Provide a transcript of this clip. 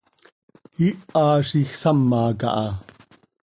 Iiha z iij sama caha.